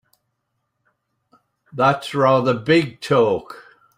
That's rather big talk!